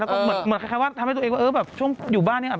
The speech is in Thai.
ก็เหมือนสามารถทำให้ตัวเองช่วงอยู่บ้าน